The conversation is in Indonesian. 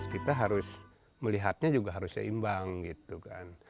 kita harus melihatnya juga harus seimbang gitu kan